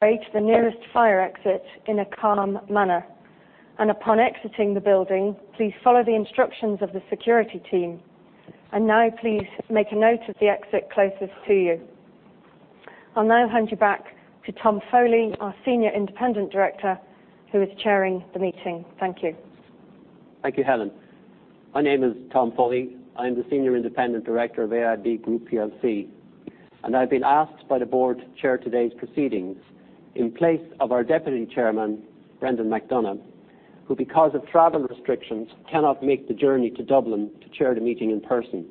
Straight to the nearest fire exit in a calm manner. And upon exiting the building, please follow the instructions of the security team. Now please make a note of the exit closest to you. I'll now hand you back to Tom Foley, our Senior Independent Director, who is chairing the meeting. Thank you. Thank you, Helen. My name is Tom Foley. I'm the Senior Independent Director of AIB Group plc, and I've been asked by the Board to chair today's proceedings in place of our Deputy Chairman, Brendan McDonagh, who, because of travel restrictions, cannot make the journey to Dublin to chair the meeting in person.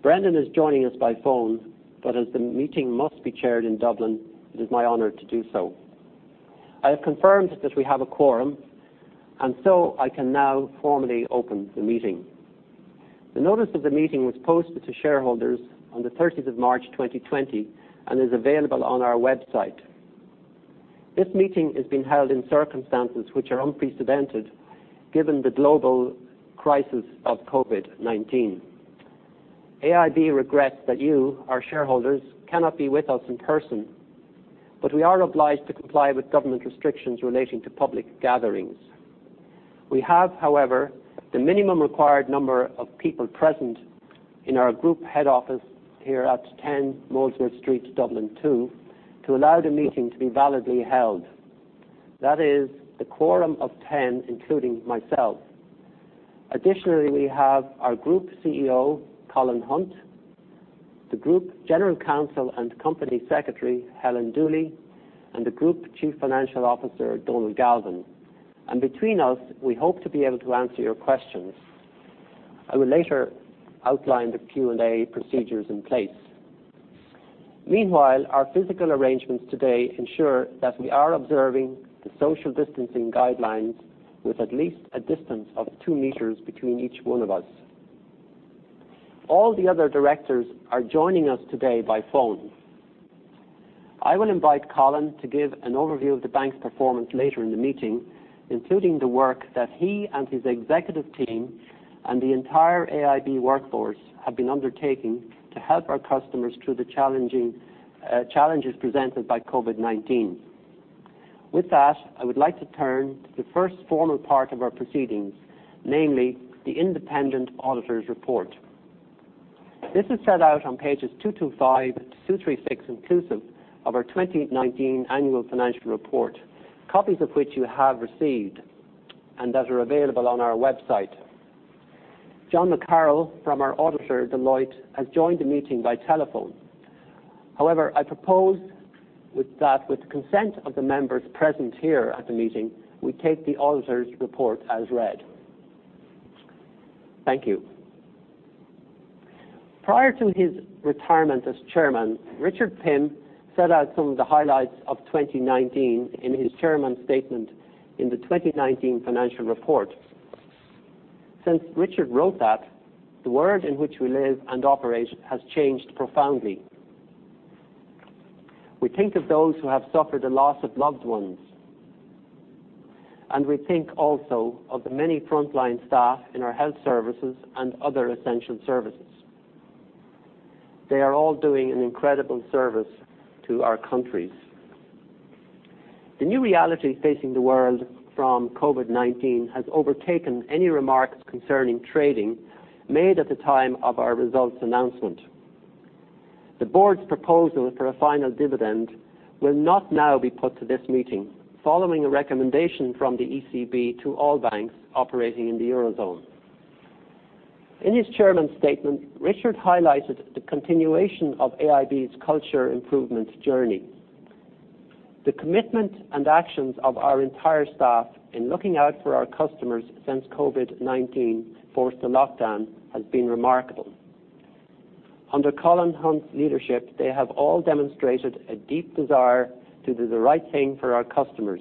Brendan is joining us by phone, but as the meeting must be chaired in Dublin, it is my honor to do so. I have confirmed that we have a quorum, and so I can now formally open the meeting. The notice of the meeting was posted to shareholders on the 30th of March, 2020 and is available on our website. This meeting is being held in circumstances which are unprecedented given the global crisis of COVID-19. AIB regrets that you, our shareholders, cannot be with us in person, but we are obliged to comply with government restrictions relating to public gatherings. We have, however, the minimum required number of people present in our group head office here at 10 Molesworth Street, Dublin 2, to allow the meeting to be validly held. That is the quorum of 10, including myself. Additionally, we have our Group CEO, Colin Hunt, the Group General Counsel and Company Secretary, Helen Dooley, and the Group Chief Financial Officer, Donal Galvin. Between us, we hope to be able to answer your questions. I will later outline the Q&A procedures in place. Meanwhile, our physical arrangements today ensure that we are observing the social distancing guidelines with at least a distance of two meters between each one of us. All the other directors are joining us today by phone. I will invite Colin to give an overview of the bank's performance later in the meeting, including the work that he and his executive team and the entire AIB workforce have been undertaking to help our customers through the challenges presented by COVID-19. With that, I would like to turn to the first formal part of our proceedings, namely the independent auditors report. This is set out on pages 225 to 236 inclusive of our 2019 annual financial report, copies of which you have received and that are available on our website. John McCarroll from our auditor, Deloitte, has joined the meeting by telephone. However, I propose that with consent of the members present here at the meeting, we take the auditor's report as read. Thank you. Prior to his retirement as Chairman, Richard Pym set out some of the highlights of 2019 in his Chairman's statement in the 2019 financial report. Since Richard wrote that, the world in which we live and operate has changed profoundly. We think of those who have suffered a loss of loved ones, and we think also of the many frontline staff in our health services and other essential services. They are all doing an incredible service to our countries. The new reality facing the world from COVID-19 has overtaken any remarks concerning trading made at the time of our results announcement. The Board's proposal for a final dividend will not now be put to this meeting following a recommendation from the ECB to all banks operating in the Eurozone. In his Chairman's statement, Richard highlighted the continuation of AIB's culture improvements journey. The commitment and actions of our entire staff in looking out for our customers since COVID-19 forced a lockdown has been remarkable. Under Colin Hunt's leadership, they have all demonstrated a deep desire to do the right thing for our customers,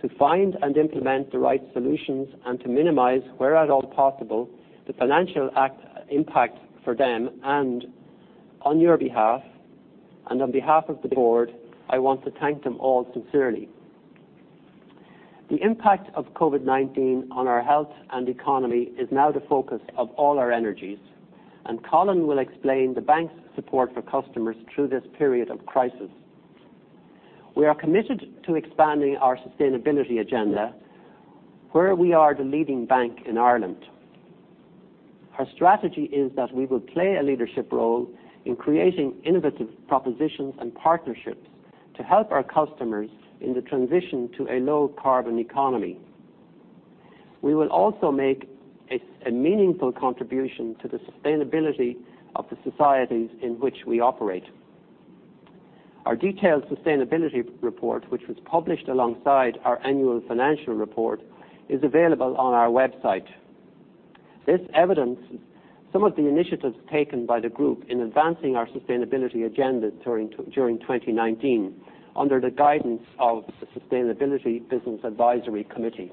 to find and implement the right solutions, and to minimize, where at all possible, the financial impact for them and on your behalf and on behalf of the Board, I want to thank them all sincerely. The impact of COVID-19 on our health and economy is now the focus of all our energies, and Colin will explain the bank's support for customers through this period of crisis. We are committed to expanding our sustainability agenda where we are the leading bank in Ireland. Our strategy is that we will play a leadership role in creating innovative propositions and partnerships to help our customers in the transition to a low carbon economy. We will also make a meaningful contribution to the sustainability of the societies in which we operate. Our detailed sustainability report, which was published alongside our annual financial report, is available on our website. This evidences some of the initiatives taken by the group in advancing our sustainability agenda during 2019 under the guidance of the Sustainability Business Advisory Committee.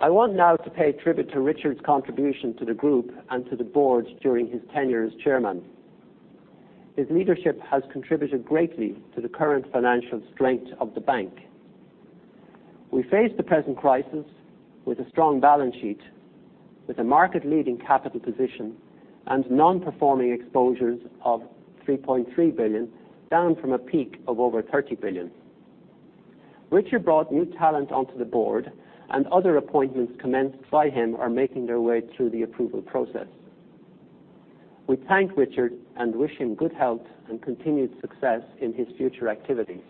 I want now to pay tribute to Richard's contribution to the group and to the Board during his tenure as Chairman. His leadership has contributed greatly to the current financial strength of the bank. We face the present crisis with a strong balance sheet, with a market-leading capital position, and non-performing exposures of 3.3 billion, down from a peak of over 30 billion. Richard brought new talent onto the Board, and other appointments commenced by him are making their way through the approval process. We thank Richard and wish him good health and continued success in his future activities.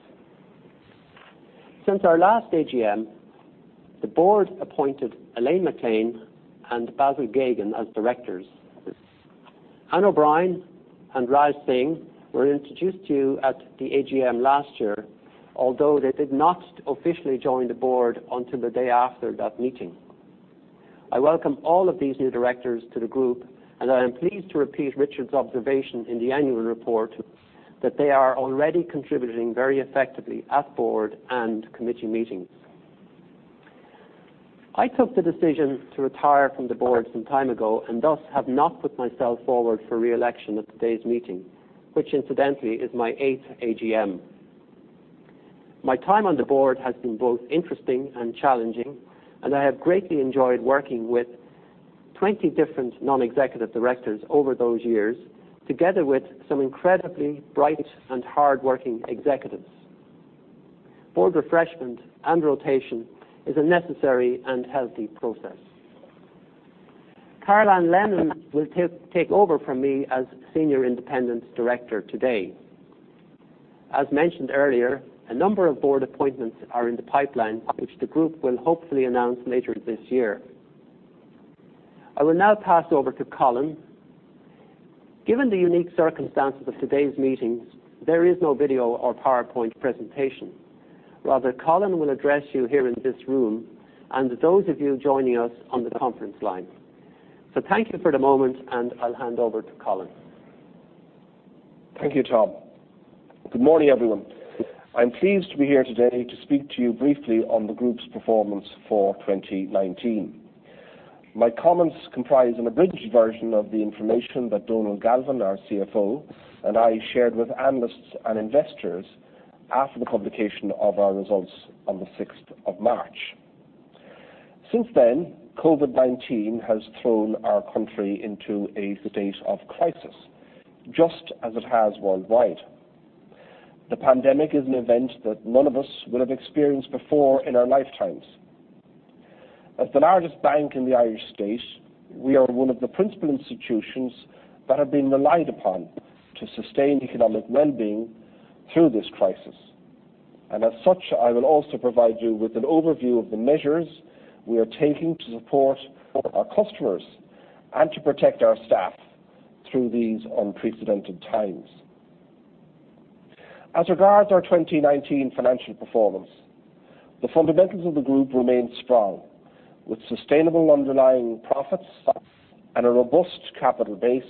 Since our last AGM, the Board appointed Elaine MacLean and Basil Geoghegan as Directors. Ann O'Brien and Raj Singh were introduced to you at the AGM last year, although they did not officially join the Board until the day after that meeting. I welcome all of these new directors to the group, and I am pleased to repeat Richard's observation in the annual report that they are already contributing very effectively at Board and committee meetings. I took the decision to retire from the Board some time ago and thus have not put myself forward for re-election at today's meeting, which incidentally is my eighth AGM. My time on the Board has been both interesting and challenging, and I have greatly enjoyed working with 20 different non-executive directors over those years, together with some incredibly bright and hardworking executives. Board refreshment and rotation is a necessary and healthy process. Carolan Lennon will take over from me as Senior Independent Director today. As mentioned earlier, a number of Board appointments are in the pipeline, which the group will hopefully announce later this year. I will now pass over to Colin. Given the unique circumstances of today's meetings, there is no video or PowerPoint presentation. Rather, Colin will address you here in this room and those of you joining us on the conference line. Thank you for the moment, and I'll hand over to Colin. Thank you, Tom. Good morning, everyone. I'm pleased to be here today to speak to you briefly on the group's performance for 2019. My comments comprise an abridged version of the information that Donal Galvin, our CFO, and I shared with analysts and investors after the publication of our results on the 6th of March. Since then, COVID-19 has thrown our country into a state of crisis, just as it has worldwide. The pandemic is an event that none of us will have experienced before in our lifetimes. As the largest bank in the Irish State, we are one of the principal institutions that have been relied upon to sustain economic well-being through this crisis. As such, I will also provide you with an overview of the measures we are taking to support our customers and to protect our staff through these unprecedented times. As regards our 2019 financial performance, the fundamentals of the group remain strong, with sustainable underlying profits and a robust capital base,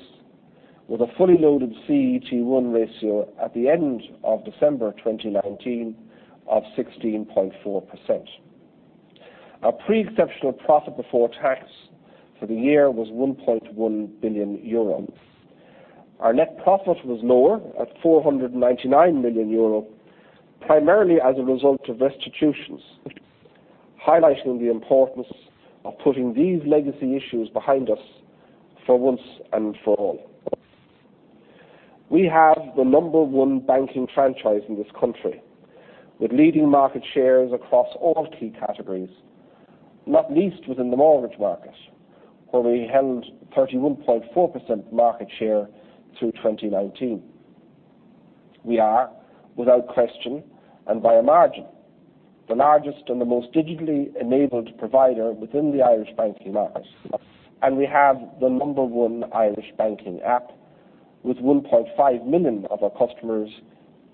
with a fully loaded CET1 ratio at the end of December 2019 of 16.4%. Our pre-exceptional profit before tax for the year was 1.1 billion euro. Our net profit was lower, at 499 million euro, primarily as a result of restitutions, highlighting the importance of putting these legacy issues behind us for once and for all. We have the number one banking franchise in this country, with leading market shares across all key categories, not least within the mortgage market, where we held 31.4% market share through 2019. We are, without question and by a margin, the largest and the most digitally enabled provider within the Irish banking market. We have the number one Irish banking app, with 1.5 million of our customers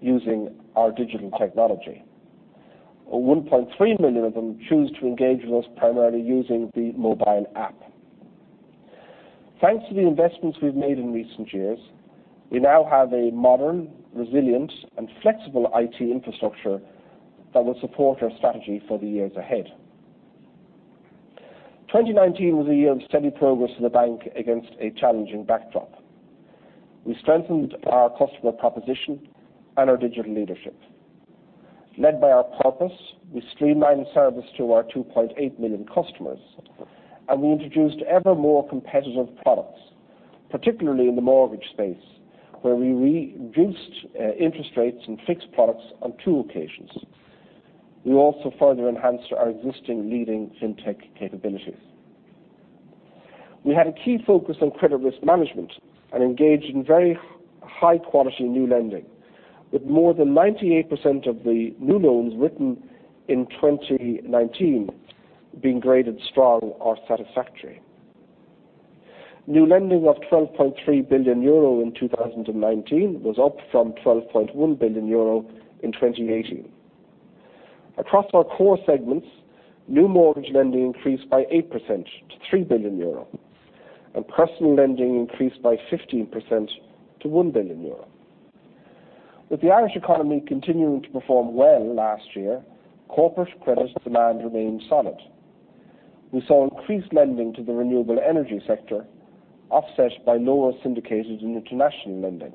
using our digital technology. 1.3 million of them choose to engage with us primarily using the mobile app. Thanks to the investments we've made in recent years, we now have a modern, resilient, and flexible IT infrastructure that will support our strategy for the years ahead. 2019 was a year of steady progress for the bank against a challenging backdrop. We strengthened our customer proposition and our digital leadership. Led by our purpose, we streamlined service to our 2.8 million customers. We introduced ever more competitive products, particularly in the mortgage space, where we reduced interest rates and fixed products on two occasions. We also further enhanced our existing leading fintech capabilities. We had a key focus on credit risk management and engaged in very high-quality new lending, with more than 98% of the new loans written in 2019 being graded strong or satisfactory. New lending of 12.3 billion euro in 2019 was up from 12.1 billion euro in 2018. Across our core segments, new mortgage lending increased by 8% to 3 billion euro, and personal lending increased by 15% to 1 billion euro. With the Irish economy continuing to perform well last year, corporate credit demand remained solid. We saw increased lending to the renewable energy sector, offset by lower syndications in international lending.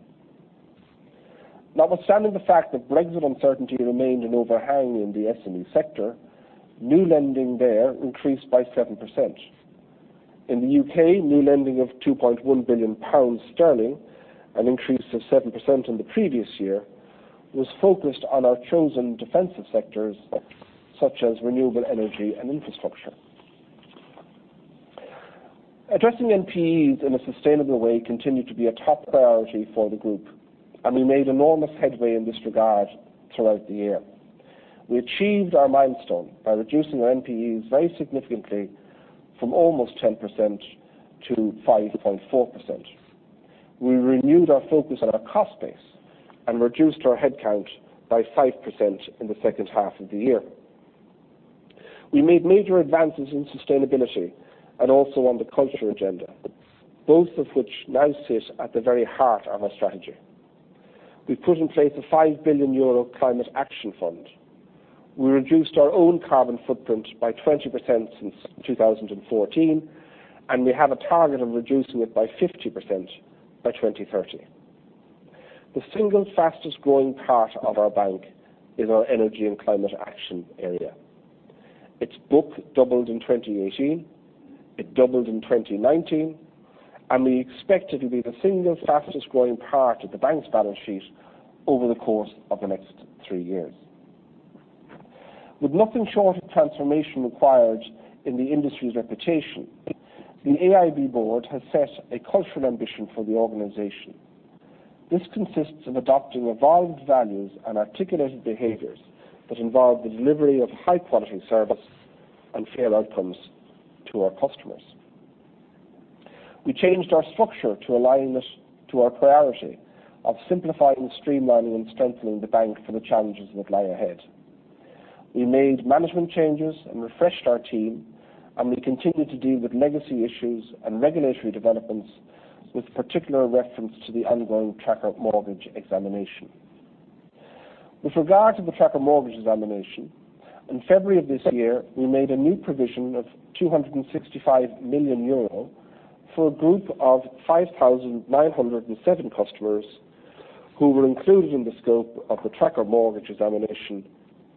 Notwithstanding the fact that Brexit uncertainty remained an overhang in the SME sector, new lending there increased by 7%. In the U.K., new lending of 2.1 billion sterling, an increase of 7% in the previous year, was focused on our chosen defensive sectors, such as renewable energy and infrastructure. Addressing NPEs in a sustainable way continued to be a top priority for the group, and we made enormous headway in this regard throughout the year. We achieved our milestone by reducing our NPEs very significantly from almost 10% to 5.4%. We renewed our focus on our cost base and reduced our headcount by 5% in the second half of the year. We made major advances in sustainability and also on the culture agenda, both of which now sit at the very heart of our strategy. We put in place a 5 billion euro climate action fund. We reduced our own carbon footprint by 20% since 2014, and we have a target of reducing it by 50% by 2030. The single fastest growing part of our bank is our energy and climate action area. Its book doubled in 2018, it doubled in 2019, and we expect it to be the single fastest growing part of the bank's balance sheet over the course of the next three years. With nothing short of transformation required in the industry's reputation, the AIB Board has set a cultural ambition for the organization. This consists of adopting evolved values and articulated behaviors that involve the delivery of high-quality service and fair outcomes to our customers. We changed our structure to align it to our priority of simplifying, streamlining, and strengthening the bank for the challenges that lie ahead. We made management changes and refreshed our team, and we continued to deal with legacy issues and regulatory developments, with particular reference to the ongoing Tracker Mortgage Examination. With regard to the Tracker Mortgage Examination, in February of this year, we made a new provision of 265 million euro for a group of 5,907 customers who were included in the scope of the Tracker Mortgage Examination,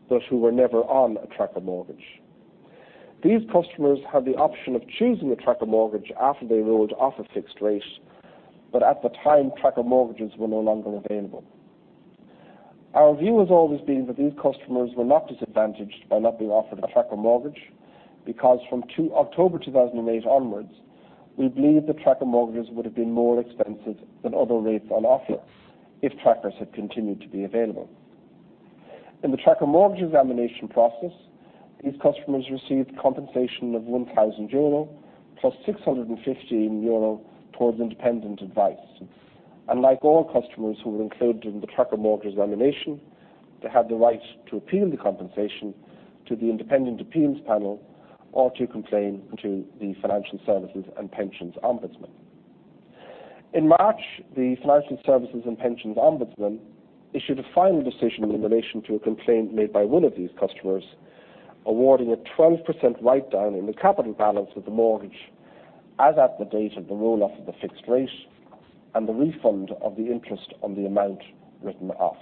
but who were never on a tracker mortgage. These customers had the option of choosing a tracker mortgage after they rolled off a fixed rate, but at the time, tracker mortgages were no longer available. Our view has always been that these customers were not disadvantaged by not being offered a tracker mortgage, because from October 2008 onwards, we believe that tracker mortgages would have been more expensive than other rates on offer if trackers had continued to be available. In the Tracker Mortgage Examination process, these customers received compensation of 1,000 euro plus 615 euro towards independent advice. Like all customers who were included in the Tracker Mortgage Examination, they had the right to appeal the compensation to the Independent Appeals Panel or to complain to the Financial Services and Pensions Ombudsman. In March, the Financial Services and Pensions Ombudsman issued a final decision in relation to a complaint made by one of these customers, awarding a 12% write-down in the capital balance of the mortgage as at the date of the roll-off of the fixed rate and the refund of the interest on the amount written off.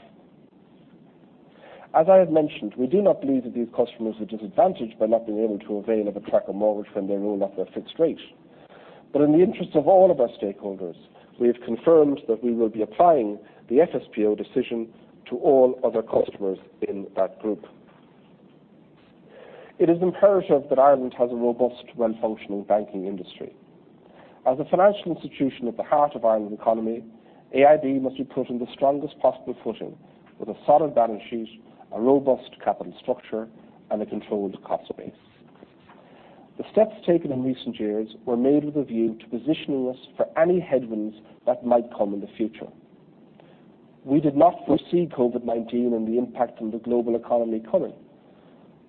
As I have mentioned, we do not believe that these customers are disadvantaged by not being able to avail of a tracker mortgage when they roll off their fixed rate. In the interest of all of our stakeholders, we have confirmed that we will be applying the FSPO decision to all other customers in that group. It is imperative that Ireland has a robust, well-functioning banking industry. As a financial institution at the heart of Ireland's economy, AIB must be put in the strongest possible footing with a solid balance sheet, a robust capital structure, and a controlled cost base. The steps taken in recent years were made with a view to positioning us for any headwinds that might come in the future. We did not foresee COVID-19 and the impact on the global economy coming.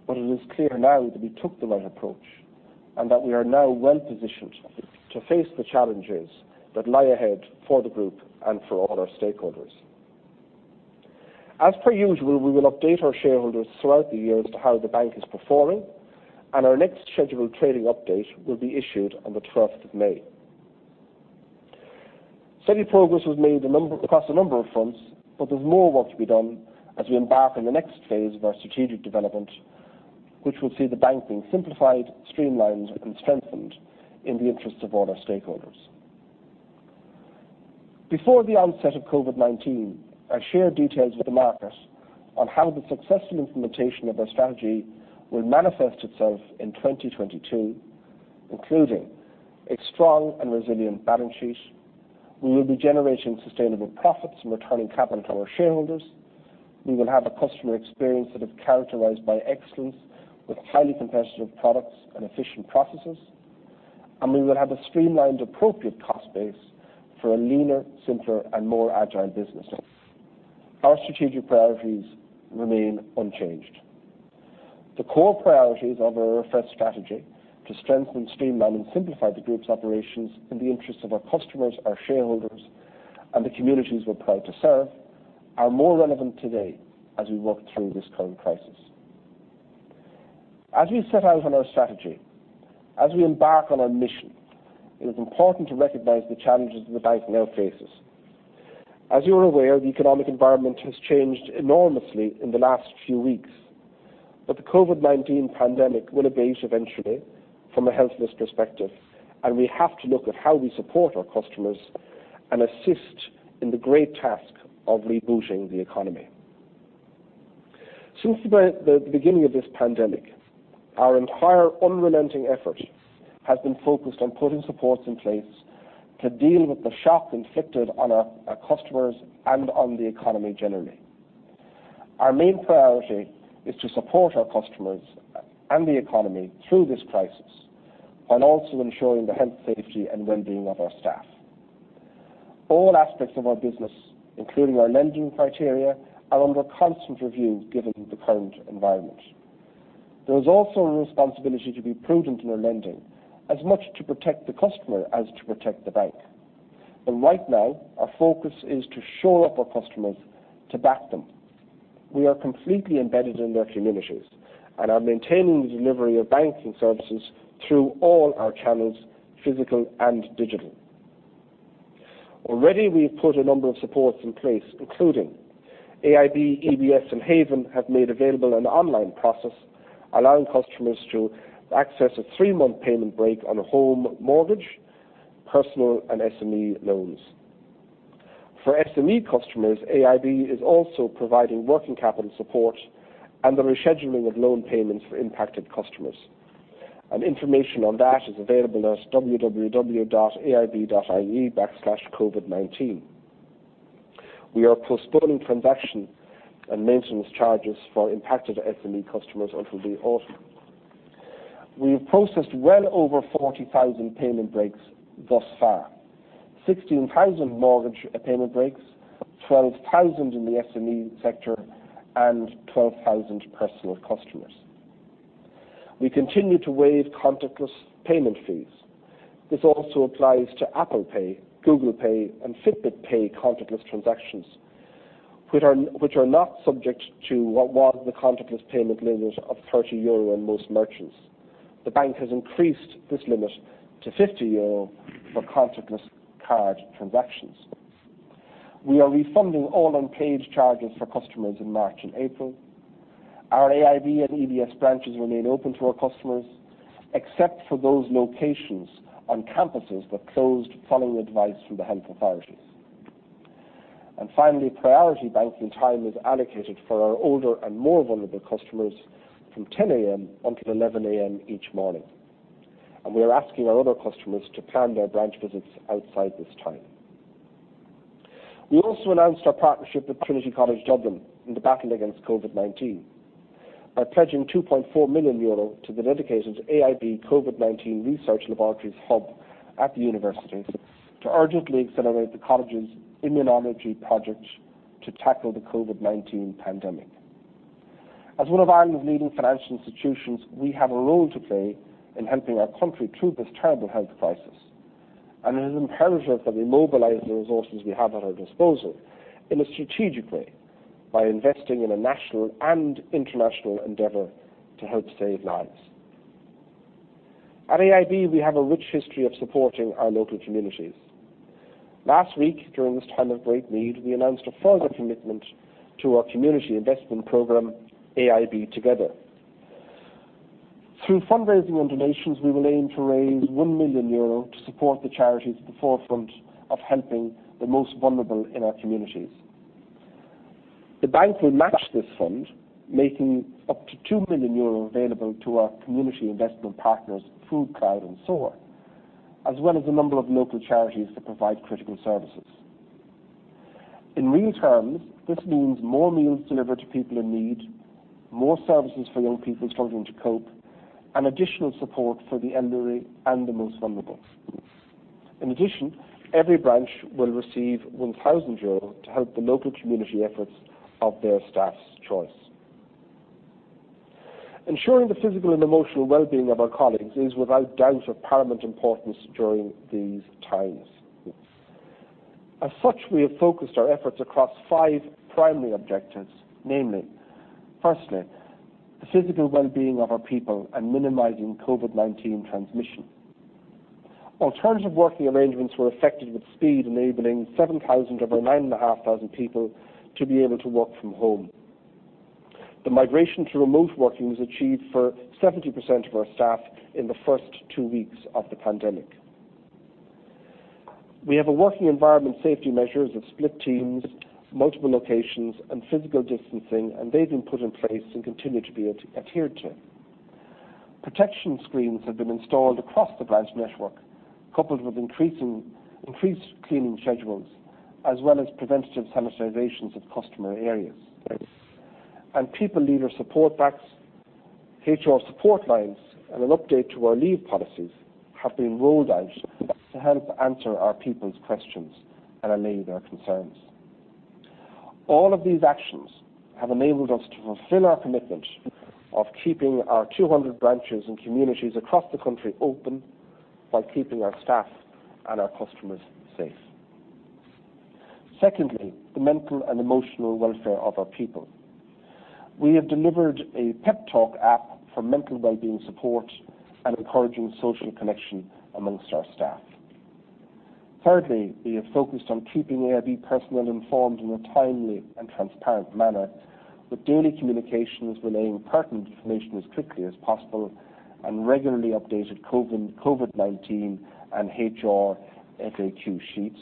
It is clear now that we took the right approach and that we are now well-positioned to face the challenges that lie ahead for the group and for all our stakeholders. As per usual, we will update our shareholders throughout the year as to how the bank is performing. Our next scheduled trading update will be issued on the 12th of May. Steady progress was made across a number of fronts, but there's more work to be done as we embark on the next phase of our strategic development, which will see the bank being simplified, streamlined, and strengthened in the interest of all our stakeholders. Before the onset of COVID-19, I shared details with the market on how the successful implementation of our strategy will manifest itself in 2022, including a strong and resilient balance sheet. We will be generating sustainable profits and returning capital to our shareholders. We will have a customer experience that is characterized by excellence with highly competitive products and efficient processes, and we will have a streamlined, appropriate cost base for a leaner, simpler, and more agile business. Our strategic priorities remain unchanged. The core priorities of our refreshed strategy to strengthen, streamline, and simplify the group's operations in the interest of our customers, our shareholders, and the communities we're proud to serve, are more relevant today as we work through this current crisis. As we set out on our strategy, as we embark on our mission, it is important to recognize the challenges that the bank now faces. As you are aware, the economic environment has changed enormously in the last few weeks, but the COVID-19 pandemic will abate eventually from a health risk perspective, and we have to look at how we support our customers and assist in the great task of rebooting the economy. Since the beginning of this pandemic, our entire unrelenting effort has been focused on putting supports in place to deal with the shock inflicted on our customers and on the economy generally. Our main priority is to support our customers and the economy through this crisis, while also ensuring the health, safety, and well-being of our staff. All aspects of our business, including our lending criteria, are under constant review given the current environment. There is also a responsibility to be prudent in our lending, as much to protect the customer as to protect the bank. Right now, our focus is to shore up our customers, to back them. We are completely embedded in their communities and are maintaining the delivery of banking services through all our channels, physical and digital. Already we have put a number of supports in place, including AIB, EBS, and Haven have made available an online process allowing customers to access a three-month payment break on a home mortgage, personal, and SME loans. For SME customers, AIB is also providing working capital support and the rescheduling of loan payments for impacted customers. Information on that is available at www.aib.ie/covid19. We are postponing transaction and maintenance charges for impacted SME customers until the autumn. We have processed well over 40,000 payment breaks thus far. 16,000 mortgage payment breaks, 12,000 in the SME sector, 12,000 personal customers. We continue to waive contactless payment fees. This also applies to Apple Pay, Google Pay, and Fitbit Pay contactless transactions, which are not subject to what was the contactless payment limit of 30 euro in most merchants. The bank has increased this limit to 50 euro for contactless card transactions. We are refunding all unpaid charges for customers in March and April. Our AIB and EBS branches remain open to our customers, except for those locations on campuses that closed following advice from the health authorities. Finally, priority banking time is allocated for our older and more vulnerable customers from 10:00 A.M. until 11:00 A.M. each morning, and we are asking our other customers to plan their branch visits outside this time. We also announced our partnership with Trinity College Dublin in the battle against COVID-19 by pledging 2.4 million euro to the dedicated AIB COVID-19 research laboratories hub at the university to urgently accelerate the college's immunology project to tackle the COVID-19 pandemic. As one of Ireland's leading financial institutions, we have a role to play in helping our country through this terrible health crisis, and it is imperative that we mobilize the resources we have at our disposal in a strategic way by investing in a national and international endeavor to help save lives. At AIB, we have a rich history of supporting our local communities. Last week, during this time of great need, we announced a further commitment to our community investment program, AIB Together. Through fundraising and donations, we will aim to raise 1 million euro to support the charities at the forefront of helping the most vulnerable in our communities. The bank will match this fund, making up to 2 million euro available to our community investment partners FoodCloud and SOAR, as well as a number of local charities that provide critical services. In real terms, this means more meals delivered to people in need, more services for young people struggling to cope, and additional support for the elderly and the most vulnerable. In addition, every branch will receive 1,000 euro to help the local community efforts of their staff's choice. Ensuring the physical and emotional well-being of our colleagues is without doubt of paramount importance during these times. As such, we have focused our efforts across five primary objectives, namely, firstly, the physical well-being of our people and minimizing COVID-19 transmission. Alternative working arrangements were effected with speed, enabling 7,000 of our 9,500 people to be able to work from home. The migration to remote working was achieved for 70% of our staff in the first two weeks of the pandemic. We have working environment safety measures of split teams, multiple locations, and physical distancing, and they've been put in place and continue to be adhered to. Protection screens have been installed across the branch network, coupled with increased cleaning schedules, as well as preventative sanitizations of customer areas. People leader support backs, HR support lines, and an update to our leave policies have been rolled out to help answer our people's questions and allay their concerns. All of these actions have enabled us to fulfill our commitment of keeping our 200 branches and communities across the country open while keeping our staff and our customers safe. The mental and emotional welfare of our people. We have delivered a PepTalk app for mental wellbeing support and encouraging social connection amongst our staff. We have focused on keeping AIB personnel informed in a timely and transparent manner with daily communications relaying pertinent information as quickly as possible and regularly updated COVID-19 and HR FAQ sheets.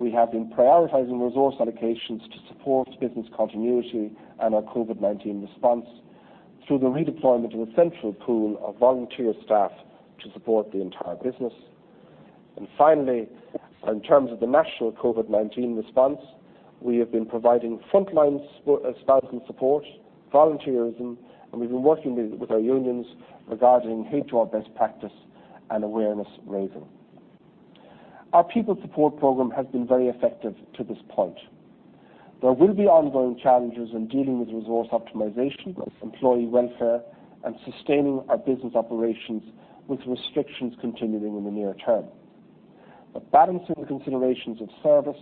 We have been prioritizing resource allocations to support business continuity and our COVID-19 response through the redeployment of a central pool of volunteer staff to support the entire business. Finally, in terms of the national COVID-19 response, we have been providing frontline support, volunteerism, and we've been working with our unions regarding HR best practice and awareness-raising. Our people support program has been very effective to this point. There will be ongoing challenges in dealing with resource optimization, employee welfare, and sustaining our business operations with restrictions continuing in the near term. Balancing the considerations of service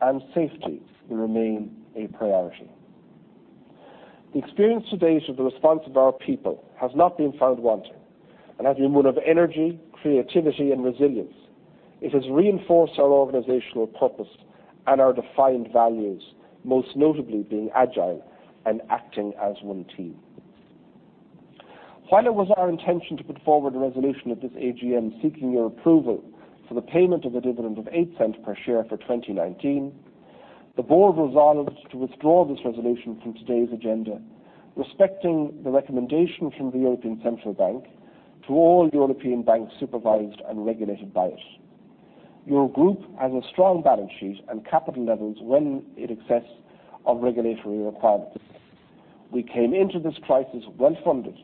and safety will remain a priority. The experience to date of the response of our people has not been found wanting and has been one of energy, creativity, and resilience. It has reinforced our organizational purpose and our defined values, most notably being agile and acting as one team. While it was our intention to put forward a resolution at this AGM seeking your approval for the payment of a dividend of 0.08 per share for 2019, the Board resolved to withdraw this resolution from today's agenda, respecting the recommendation from the European Central Bank to all European banks supervised and regulated by it. Your group has a strong balance sheet and capital levels well in excess of regulatory requirements. We came into this crisis well-funded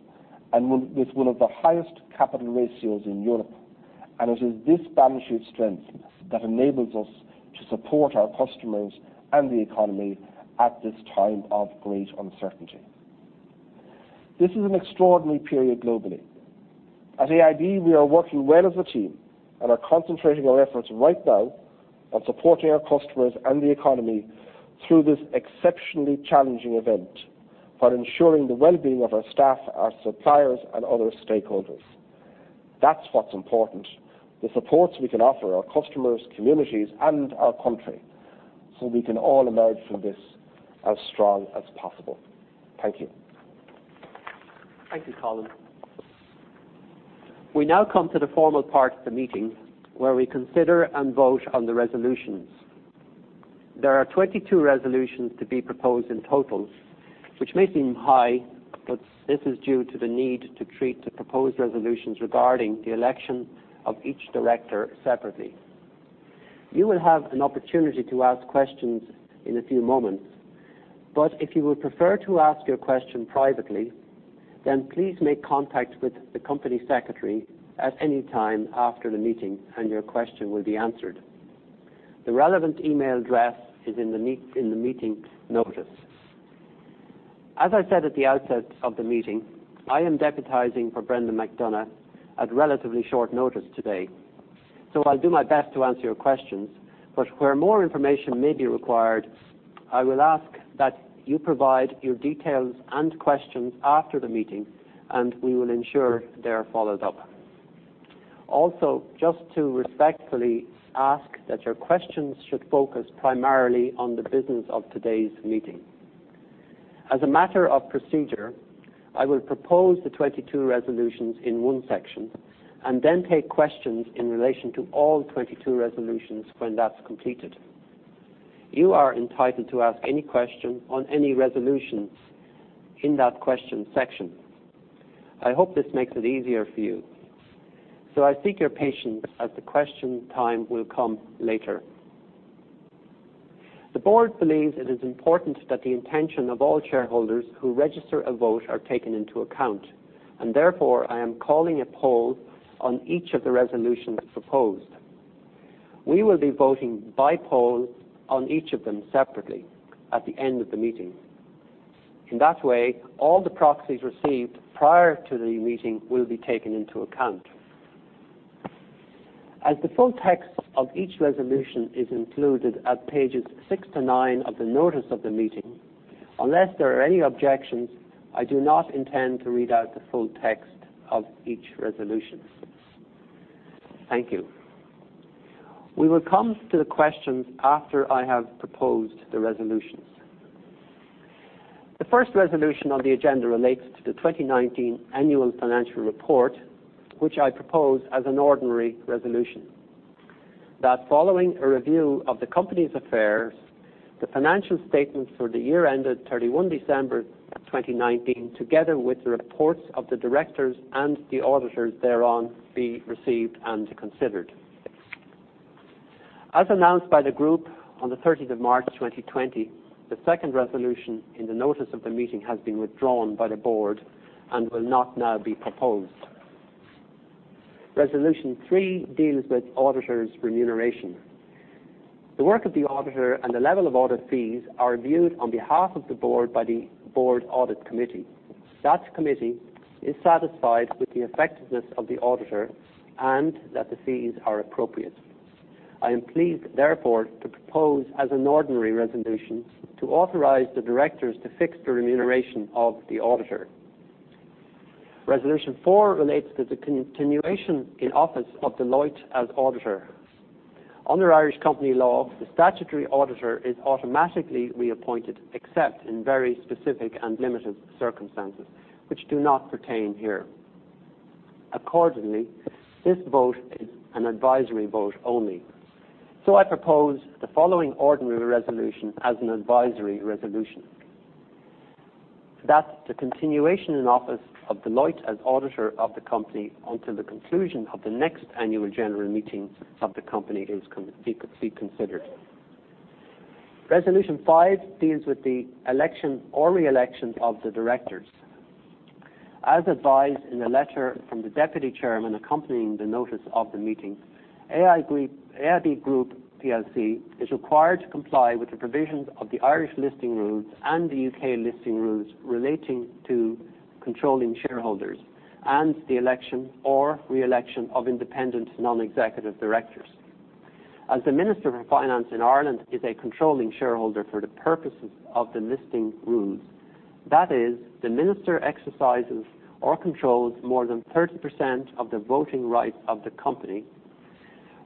and with one of the highest capital ratios in Europe. It is this balance sheet strength that enables us to support our customers and the economy at this time of great uncertainty. This is an extraordinary period globally. At AIB, we are working well as a team and are concentrating our efforts right now on supporting our customers and the economy through this exceptionally challenging event, while ensuring the wellbeing of our staff, our suppliers, and other stakeholders. That's what's important, the supports we can offer our customers, communities, and our country, we can all emerge from this as strong as possible. Thank you. Thank you, Colin. We now come to the formal part of the meeting where we consider and vote on the resolutions. There are 22 resolutions to be proposed in total, which may seem high, but this is due to the need to treat the proposed resolutions regarding the election of each director separately. You will have an opportunity to ask questions in a few moments, but if you would prefer to ask your question privately, then please make contact with the Company Secretary at any time after the meeting and your question will be answered. The relevant email address is in the meeting notice. As I said at the outset of the meeting, I am deputizing for Brendan McDonagh at relatively short notice today, so I'll do my best to answer your questions, but where more information may be required, I will ask that you provide your details and questions after the meeting, and we will ensure they are followed up. Also, just to respectfully ask that your questions should focus primarily on the business of today's meeting. As a matter of procedure, I will propose the 22 resolutions in one section and then take questions in relation to all 22 resolutions when that's completed. You are entitled to ask any question on any resolutions in that question section. I hope this makes it easier for you. I seek your patience as the question time will come later. The Board believes it is important that the intention of all shareholders who register a vote are taken into account, and therefore, I am calling a poll on each of the resolutions proposed. We will be voting by poll on each of them separately at the end of the meeting. In that way, all the proxies received prior to the meeting will be taken into account. As the full text of each resolution is included at pages six to nine of the notice of the meeting, unless there are any objections, I do not intend to read out the full text of each resolution. Thank you. We will come to the questions after I have proposed the resolutions. The first resolution on the agenda relates to the 2019 annual financial report, which I propose as an ordinary resolution, that following a review of the company's affairs, the financial statements for the year ended 31 December 2019, together with the reports of the directors and the auditors thereon, be received and considered. As announced by the group on the 30th of March 2020, the second resolution in the notice of the meeting has been withdrawn by the Board and will not now be proposed. Resolution three deals with auditors' remuneration. The work of the auditor and the level of audit fees are reviewed on behalf of the Board, by the Board Audit Committee. That committee is satisfied with the effectiveness of the auditor and that the fees are appropriate. I am pleased, therefore, to propose as an ordinary resolution to authorize the directors to fix the remuneration of the auditor. Resolution four relates to the continuation in office of Deloitte as auditor. Under Irish company law, the statutory auditor is automatically reappointed except in very specific and limited circumstances, which do not pertain here. Accordingly, this vote is an advisory vote only. I propose the following ordinary resolution as an advisory resolution, that the continuation in office of Deloitte as auditor of the company until the conclusion of the next annual general meeting of the company be considered. Resolution five deals with the election or re-election of the directors. As advised in a letter from the Deputy Chairman accompanying the notice of the meeting, AIB Group plc is required to comply with the provisions of the Irish listing rules and the U.K. listing rules relating to controlling shareholders and the election or re-election of independent non-executive directors. As the Minister for Finance in Ireland is a controlling shareholder for the purposes of the listing rules, that is, the Minister exercises or controls more than 30% of the voting rights of the company.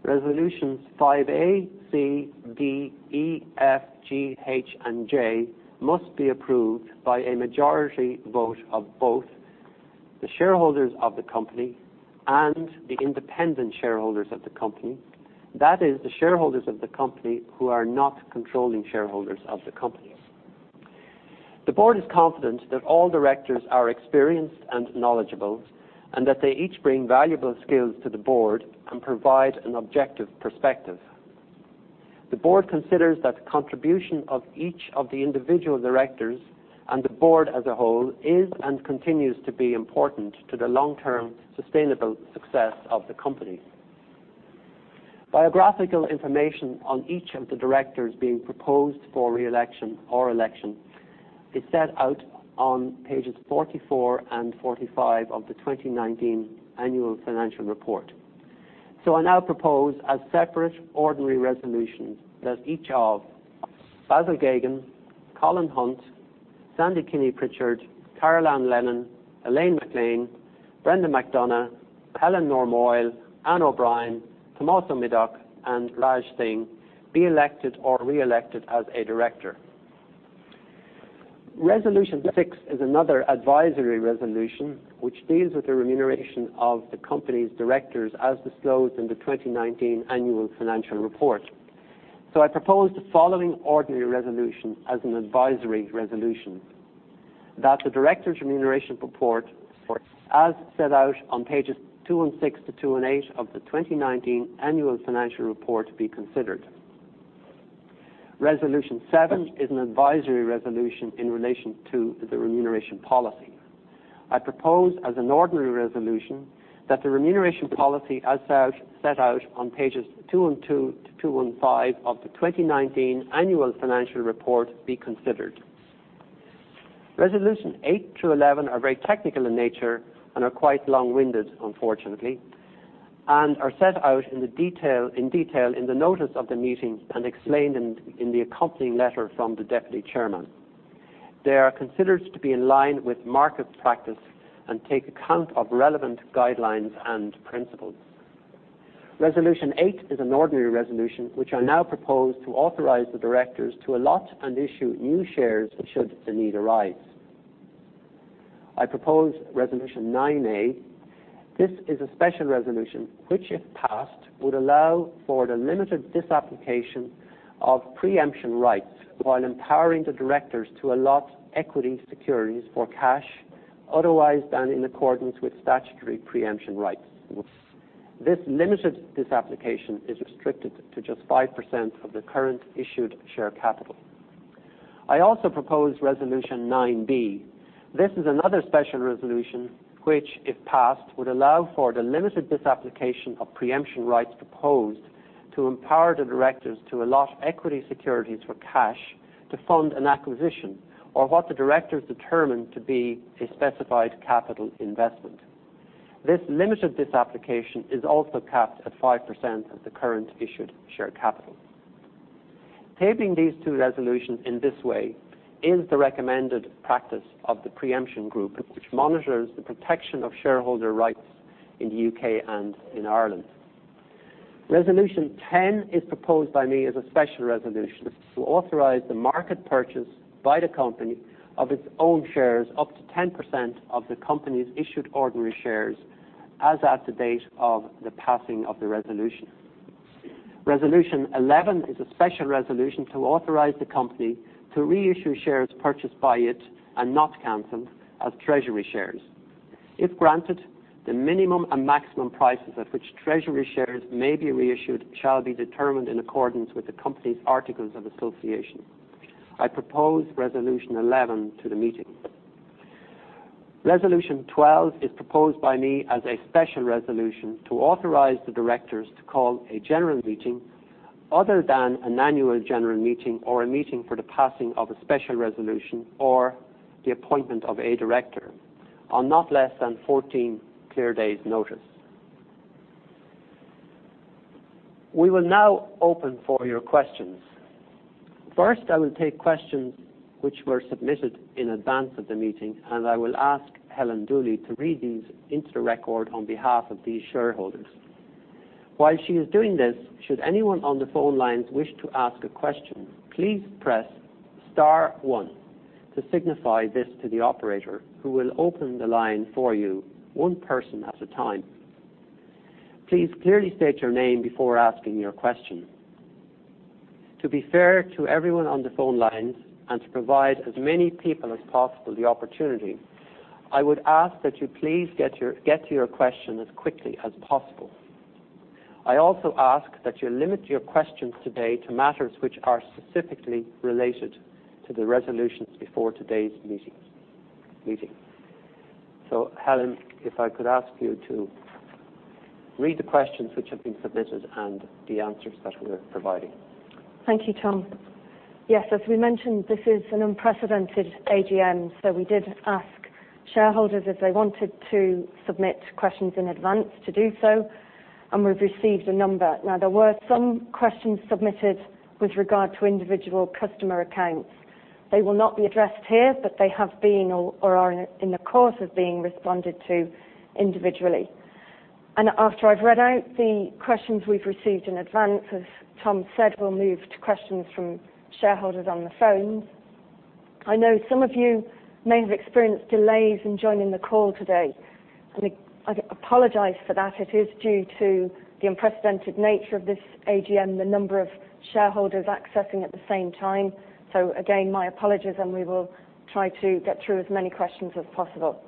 Resolutions 5A, C, D, E, F, G, H, and J must be approved by a majority vote of both the shareholders of the company and the independent shareholders of the company. That is the shareholders of the company who are not controlling shareholders of the company. The Board is confident that all directors are experienced and knowledgeable, and that they each bring valuable skills to the Board and provide an objective perspective. The Board considers that the contribution of each of the individual directors and the Board as a whole is and continues to be important to the long-term sustainable success of the company. Biographical information on each of the directors being proposed for re-election or election is set out on pages 44 and 45 of the 2019 annual financial report. I now propose as separate ordinary resolutions that each of Basil Geoghegan, Colin Hunt, Sandy Kinney Pritchard, Carolan Lennon, Elaine MacLean, Brendan McDonagh, Helen Normoyle, Ann O'Brien, Tomás Ó Midheach, and Raj Singh be elected or re-elected as a Director. Resolution six is another advisory resolution which deals with the remuneration of the company's directors as disclosed in the 2019 annual financial report. I propose the following ordinary resolution as an advisory resolution, that the directors' remuneration report as set out on pages 216 to 218 of the 2019 annual financial report be considered. Resolution seven is an advisory resolution in relation to the remuneration policy. I propose as an ordinary resolution that the remuneration policy as set out on pages 212-215 of the 2019 Annual Financial Report be considered. Resolutions 8 through 11 are very technical in nature and are quite long-winded, unfortunately, and are set out in detail in the notice of the meeting and explained in the accompanying letter from the Deputy Chairman. They are considered to be in line with market practice and take account of relevant guidelines and principles. Resolution eight is an ordinary resolution which I now propose to authorize the directors to allot and issue new shares should the need arise. I propose Resolution 9A. This is a special resolution, which, if passed, would allow for the limited disapplication of pre-emption rights while empowering the directors to allot equity securities for cash otherwise than in accordance with statutory pre-emption rights. This limited disapplication is restricted to just 5% of the current issued share capital. I also propose Resolution 9B. This is another special resolution which, if passed, would allow for the limited disapplication of pre-emption rights proposed to empower the directors to allot equity securities for cash to fund an acquisition or what the directors determine to be a specified capital investment. This limited disapplication is also capped at 5% of the current issued share capital. Tabling these two resolutions in this way is the recommended practice of the Pre-emption Group, which monitors the protection of shareholder rights in the U.K. and in Ireland. Resolution 10 is proposed by me as a special resolution to authorize the market purchase by the company of its own shares up to 10% of the company's issued ordinary shares as at the date of the passing of the resolution. Resolution 11 is a special resolution to authorize the company to reissue shares purchased by it and not canceled as treasury shares. If granted, the minimum and maximum prices at which treasury shares may be reissued shall be determined in accordance with the company's articles of association. I propose Resolution 11 to the meeting. Resolution 12 is proposed by me as a special resolution to authorize the directors to call a general meeting other than an annual general meeting or a meeting for the passing of a special resolution or the appointment of a director on not less than 14 clear days' notice. We will now open for your questions. First, I will take questions which were submitted in advance of the meeting, and I will ask Helen Dooley to read these into the record on behalf of the shareholders. While she is doing this, should anyone on the phone lines wish to ask a question, please press star one to signify this to the operator, who will open the line for you one person at a time. Please clearly state your name before asking your question. To be fair to everyone on the phone lines and to provide as many people as possible the opportunity, I would ask that you please get to your question as quickly as possible. I also ask that you limit your questions today to matters which are specifically related to the resolutions before today's meeting. Helen, if I could ask you to read the questions which have been submitted and the answers that we're providing. Thank you, Tom. As we mentioned, this is an unprecedented AGM, so we did ask shareholders if they wanted to submit questions in advance to do so, and we've received a number. There were some questions submitted with regard to individual customer accounts. They will not be addressed here, but they have been or are in the course of being responded to individually. After I've read out the questions we've received in advance, as Tom said, we'll move to questions from shareholders on the phones. I know some of you may have experienced delays in joining the call today, and I apologize for that. It is due to the unprecedented nature of this AGM, the number of shareholders accessing at the same time. Again, my apologies, and we will try to get through as many questions as possible.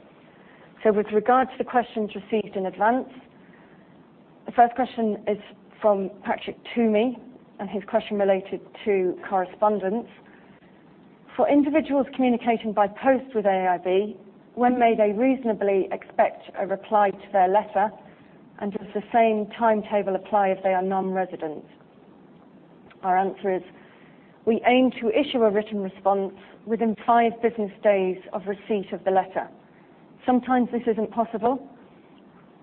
With regard to the questions received in advance, the first question is from Patrick Toomey, and his question related to correspondence. For individuals communicating by post with AIB, when may they reasonably expect a reply to their letter, and does the same timetable apply if they are non-residents? Our answer is, we aim to issue a written response within five business days of receipt of the letter. Sometimes this isn't possible.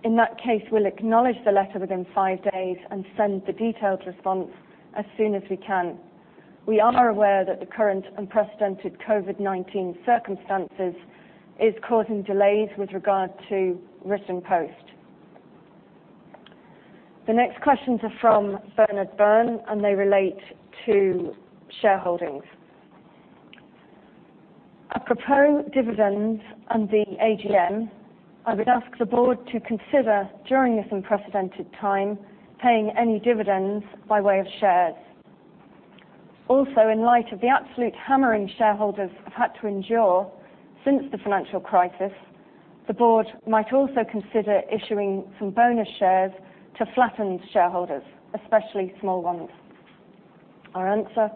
In that case, we'll acknowledge the letter within five days and send the detailed response as soon as we can. We are aware that the current unprecedented COVID-19 circumstances is causing delays with regard to written post. The next questions are from Bernard Byrne, and they relate to shareholdings. Apropos dividends and the AGM, I would ask the Board to consider, during this unprecedented time, paying any dividends by way of shares. In light of the absolute hammering shareholders have had to endure since the financial crisis, the Board might also consider issuing some bonus shares to flattened shareholders, especially small ones. Our answer,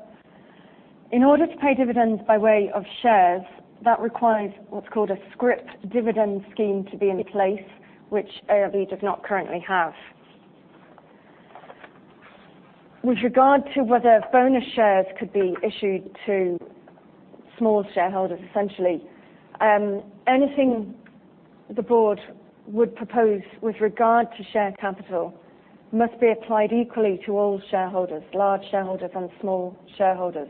in order to pay dividends by way of shares, that requires what's called a scrip dividend scheme to be in place, which AIB does not currently have. With regard to whether bonus shares could be issued to small shareholders, essentially, anything the Board would propose with regard to share capital must be applied equally to all shareholders, large shareholders and small shareholders,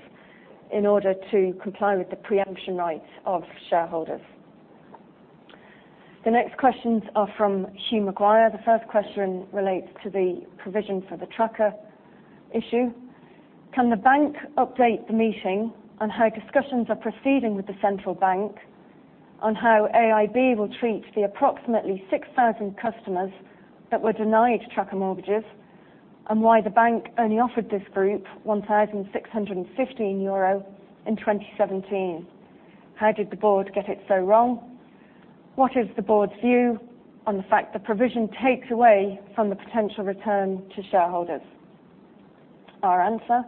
in order to comply with the pre-emption rights of shareholders. The next questions are from Hugh McGuire. The first question relates to the provision for the tracker issue. Can the bank update the meeting on how discussions are proceeding with the Central Bank on how AIB will treat the approximately 6,000 customers that were denied tracker mortgages, and why the bank only offered this group 1,615 euro in 2017? How did the Board get it so wrong? What is the Board's view on the fact the provision takes away from the potential return to shareholders? Our answer,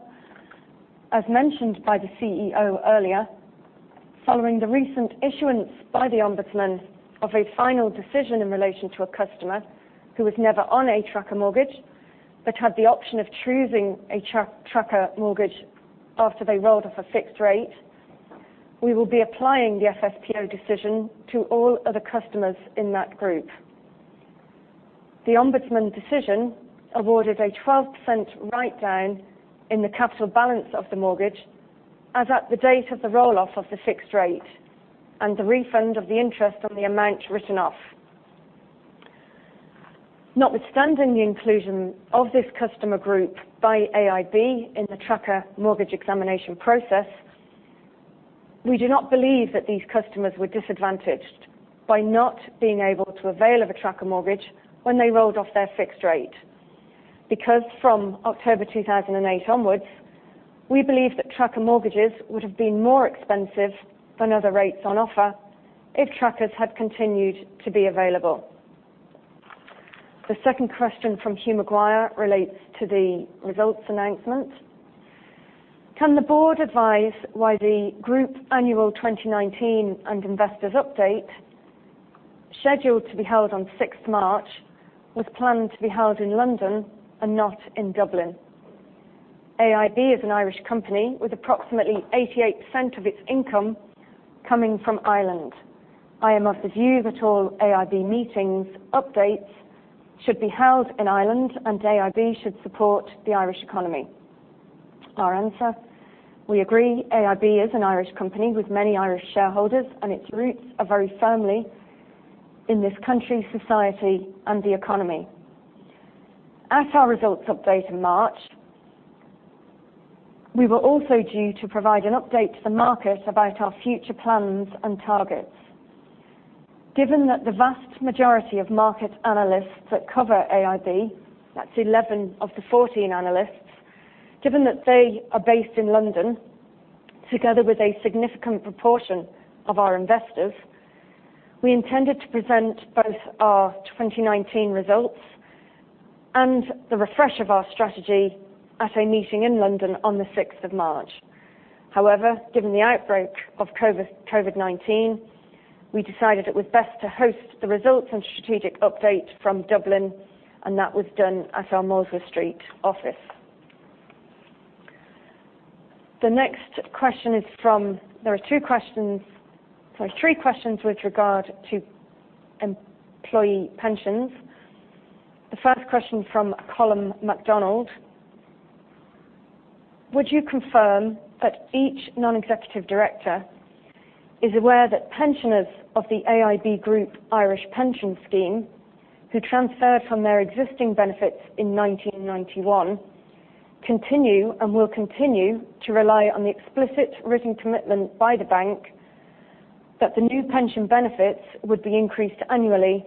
as mentioned by the CEO earlier, following the recent issuance by the Ombudsman of a final decision in relation to a customer who was never on a tracker mortgage but had the option of choosing a tracker mortgage after they rolled off a fixed rate, we will be applying the FSPO decision to all other customers in that group. The Ombudsman decision awarded a 12% write down in the capital balance of the mortgage as at the date of the roll-off of the fixed rate and the refund of the interest on the amount written off. Notwithstanding the inclusion of this customer group by AIB in the Tracker Mortgage Examination process, we do not believe that these customers were disadvantaged by not being able to avail of a tracker mortgage when they rolled off their fixed rate. From October 2008 onwards, we believe that tracker mortgages would have been more expensive than other rates on offer if trackers had continued to be available. The second question from Hugh McGuire relates to the results announcement. Can the Board advise why the group annual 2019 and investors update, scheduled to be held on sixth March, was planned to be held in London and not in Dublin? AIB is an Irish company with approximately 88% of its income coming from Ireland. I am of the view that all AIB meetings updates should be held in Ireland and AIB should support the Irish economy. Our answer, we agree AIB is an Irish company with many Irish shareholders, and its roots are very firmly in this country, society, and the economy. At our results update in March, we were also due to provide an update to the market about our future plans and targets. Given that the vast majority of market analysts that cover AIB, that's 11 of the 14 analysts, given that they are based in London, together with a significant proportion of our investors, we intended to present both our 2019 results and the refresh of our strategy at a meeting in London on the 6th of March. However, given the outbreak of COVID-19, we decided it was best to host the results and strategic update from Dublin, and that was done at our Molesworth Street office. There are three questions with regard to employee pensions. The first question from Colm McDonald. Would you confirm that each non-executive director is aware that pensioners of the AIB Group Irish Pension Scheme who transferred from their existing benefits in 1991, continue and will continue to rely on the explicit written commitment by the bank that the new pension benefits would be increased annually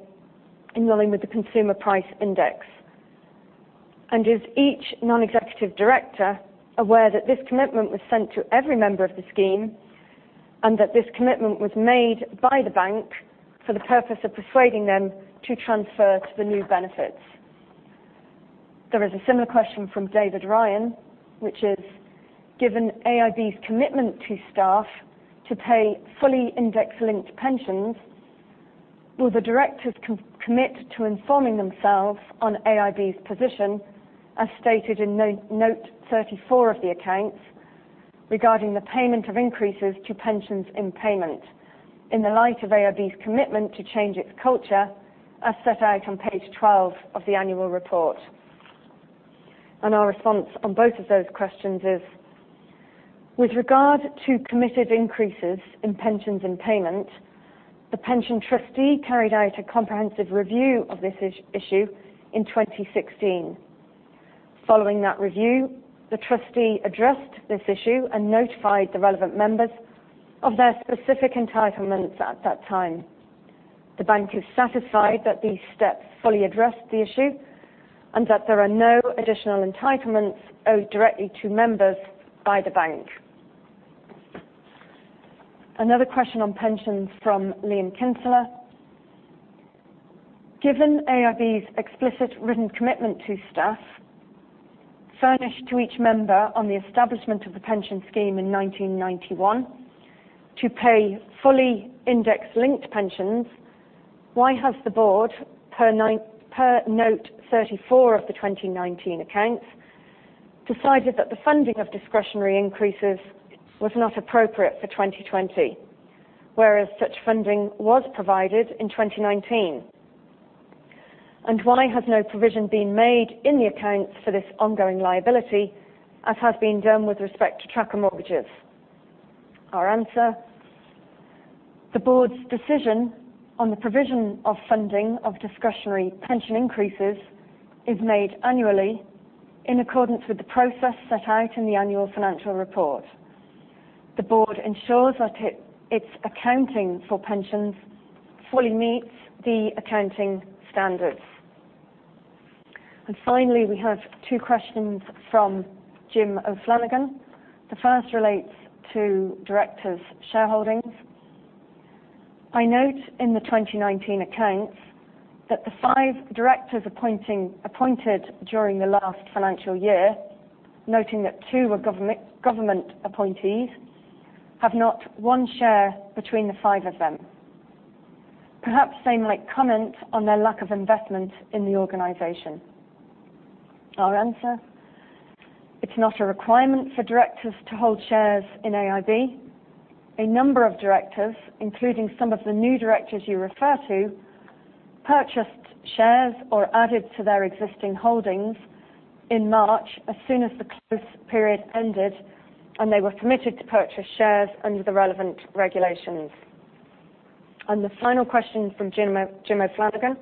in line with the Consumer Price Index? Is each non-executive director aware that this commitment was sent to every member of the scheme, and that this commitment was made by the bank for the purpose of persuading them to transfer to the new benefits? There is a similar question from David Ryan, which is, given AIB's commitment to staff to pay fully index-linked pensions, will the directors commit to informing themselves on AIB's position, as stated in note 34 of the accounts, regarding the payment of increases to pensions in payment in the light of AIB's commitment to change its culture, as set out on page 12 of the annual report? Our response on both of those questions is, with regard to committed increases in pensions and payment, the pension trustee carried out a comprehensive review of this issue in 2016. Following that review, the trustee addressed this issue and notified the relevant members of their specific entitlements at that time. The bank is satisfied that these steps fully addressed the issue and that there are no additional entitlements owed directly to members by the bank. Another question on pensions from Liam Kinsella. Given AIB's explicit written commitment to staff, furnished to each member on the establishment of the pension scheme in 1991 to pay fully index-linked pensions, why has the Board, per note 34 of the 2019 accounts, decided that the funding of discretionary increases was not appropriate for 2020, whereas such funding was provided in 2019? Why has no provision been made in the accounts for this ongoing liability, as has been done with respect to tracker mortgages? Our answer, the Board's decision on the provision of funding of discretionary pension increases is made annually in accordance with the process set out in the annual financial report. The Board ensures that its accounting for pensions fully meets the accounting standards. Finally, we have two questions from Jim O'Flanagan. The first relates to directors' shareholdings. I note in the 2019 accounts that the five directors appointed during the last financial year, noting that two were government appointees, have not one share between the five of them. Perhaps they might comment on their lack of investment in the organization. Our answer, it's not a requirement for directors to hold shares in AIB. A number of directors, including some of the new directors you refer to, purchased shares or added to their existing holdings in March as soon as the close period ended. They were permitted to purchase shares under the relevant regulations. The final question from Jim O'Flanagan,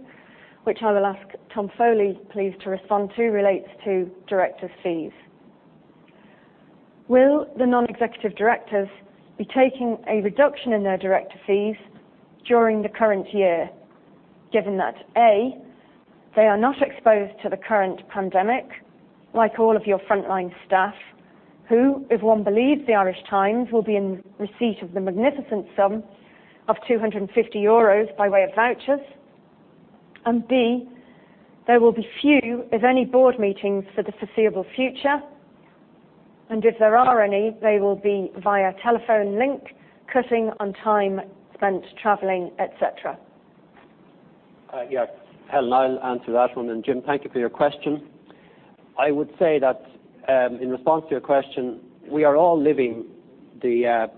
which I will ask Tom Foley please to respond to, relates to directors' fees. Will the non-executive directors be taking a reduction in their director fees during the current year, given that, A, they are not exposed to the current pandemic like all of your frontline staff, who, if one believes The Irish Times, will be in receipt of the magnificent sum of 250 euros by way of vouchers, and B, there will be few, if any, Board meetings for the foreseeable future, and if there are any, they will be via telephone link, cutting on time spent traveling, et cetera? Yeah. Helen, I'll answer that one. Jim, thank you for your question. I would say that, in response to your question, we are all living the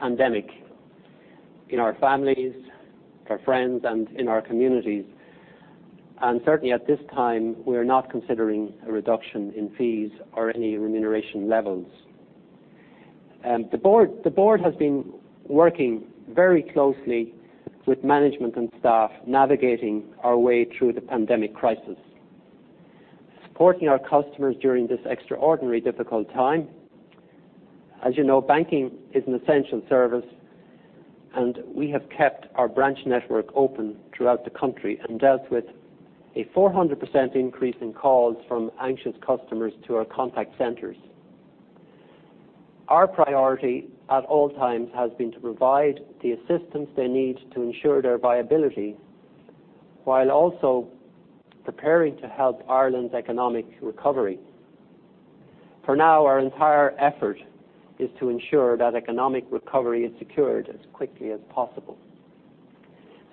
pandemic in our families, our friends, and in our communities. Certainly at this time, we're not considering a reduction in fees or any remuneration levels. The Board has been working very closely with management and staff, navigating our way through the pandemic crisis, supporting our customers during this extraordinary difficult time. As you know, banking is an essential service, we have kept our branch network open throughout the country and dealt with a 400% increase in calls from anxious customers to our contact centers. Our priority at all times has been to provide the assistance they need to ensure their viability, while also preparing to help Ireland's economic recovery. For now, our entire effort is to ensure that economic recovery is secured as quickly as possible.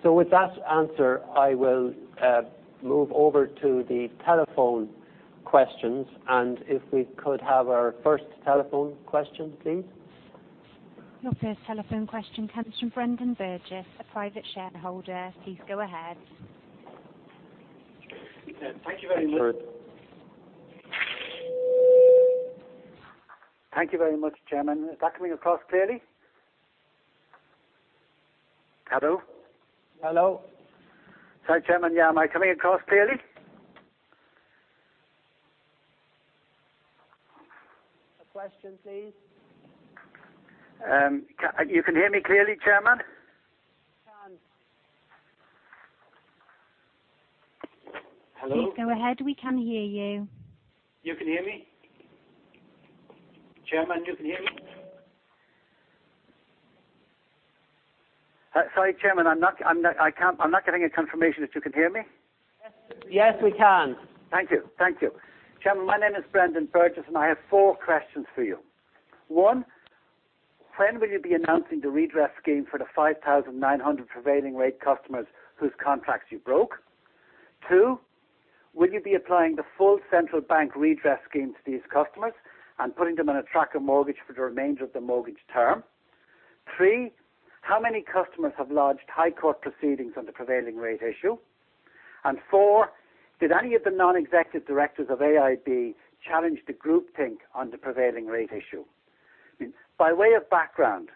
With that answer, I will move over to the telephone questions, and if we could have our first telephone question, please. Your first telephone question comes from Brendan Burgess, a private shareholder. Please go ahead. Thank you very much. Thank you very much, Chairman. Is that coming across clearly? Hello? Hello. Sorry, Chairman. Yeah, am I coming across clearly? Your question, please. You can hear me clearly, Chairman? We can. Hello. Please go ahead. We can hear you. You can hear me? Chairman, you can hear me? Sorry, Chairman, I'm not getting a confirmation that you can hear me. Yes, we can. Thank you. Chairman, my name is Brendan Burgess, and I have four questions for you. One, when will you be announcing the redress scheme for the 5,900 prevailing rate customers whose contracts you broke? Two, will you be applying the full central bank redress scheme to these customers and putting them on a tracker mortgage for the remainder of the mortgage term? Three, how many customers have lodged High Court proceedings on the prevailing rate issue? And four, did any of the non-executive directors of AIB challenge the groupthink on the prevailing rate issue? By way of background,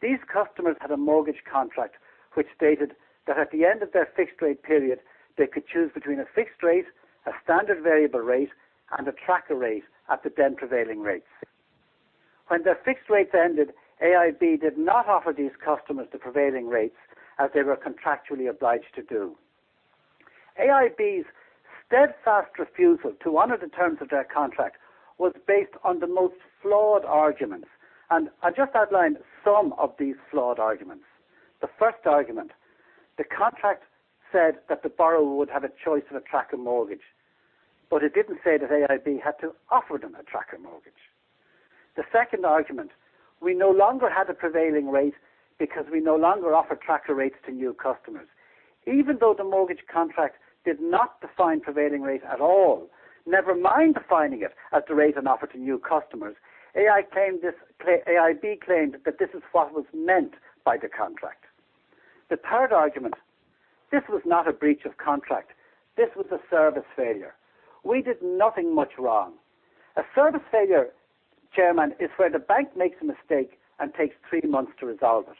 these customers had a mortgage contract which stated that at the end of their fixed-rate period, they could choose between a fixed rate, a standard variable rate, and a tracker rate at the then prevailing rates. When their fixed rates ended, AIB did not offer these customers the prevailing rates as they were contractually obliged to do. AIB's steadfast refusal to honor the terms of their contract was based on the most flawed arguments, and I'll just outline some of these flawed arguments. The first argument, the contract said that the borrower would have a choice of a tracker mortgage, but it didn't say that AIB had to offer them a tracker mortgage. The second argument, we no longer had a prevailing rate because we no longer offer tracker rates to new customers. Even though the mortgage contract did not define prevailing rate at all, never mind defining it at the rate on offer to new customers, AIB claimed that this is what was meant by the contract. The third argument, this was not a breach of contract. This was a service failure. We did nothing much wrong. A service failure, Chairman, is where the bank makes a mistake and takes three months to resolve it.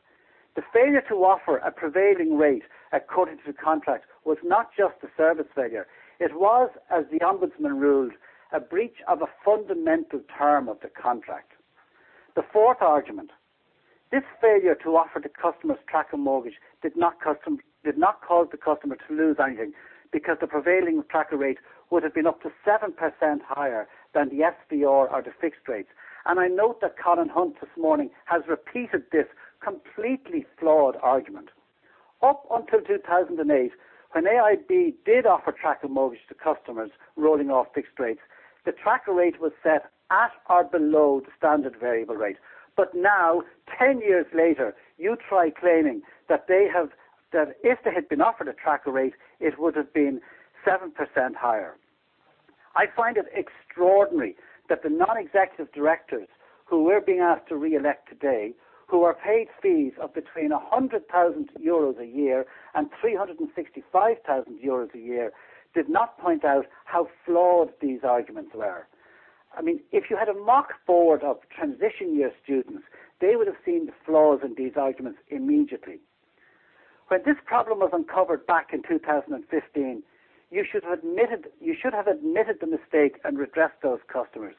The failure to offer a prevailing rate according to the contract was not just a service failure. It was, as the ombudsman ruled, a breach of a fundamental term of the contract. The fourth argument, this failure to offer the customers tracker mortgage did not cause the customer to lose anything because the prevailing tracker rate would have been up to 7% higher than the SVR or the fixed rates. I note that Colin Hunt this morning has repeated this completely flawed argument. Up until 2008, when AIB did offer tracker mortgage to customers rolling off fixed rates, the tracker rate was set at or below the standard variable rate. Now, 10 years later, you try claiming that if they had been offered a tracker rate, it would have been 7% higher. I find it extraordinary that the non-executive directors who we're being asked to reelect today, who are paid fees of between 100,000 euros a year and 365,000 euros a year, did not point out how flawed these arguments were. If you had a mock Board of transition year students, they would have seen the flaws in these arguments immediately. When this problem was uncovered back in 2015, you should have admitted the mistake and redressed those customers.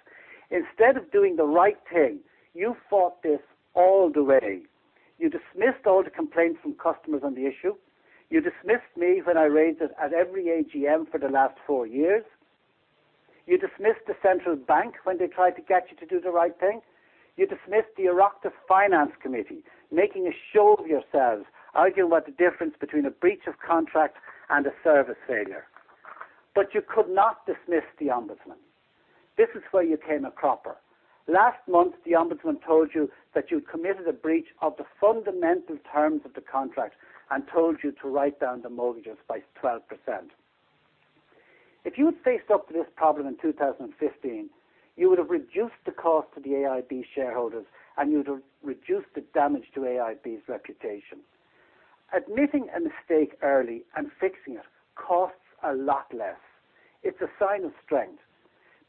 Instead of doing the right thing, you fought this all the way. You dismissed all the complaints from customers on the issue. You dismissed me when I raised it at every AGM for the last four years. You dismissed the central bank when they tried to get you to do the right thing. You dismissed the Oireachtas Finance Committee, making a show of yourselves, arguing about the difference between a breach of contract and a service failure. But, you could not dismiss the Ombudsman. This is where you came a cropper. Last month, the Ombudsman told you that you committed a breach of the fundamental terms of the contract and told you to write down the mortgages by 12%. If you had faced up to this problem in 2015, you would have reduced the cost to the AIB shareholders and you would have reduced the damage to AIB's reputation. Admitting a mistake early and fixing it costs a lot less. It's a sign of strength.